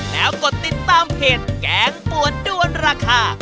แล้วกดติดตามเพจแกงปวดด้วนราคา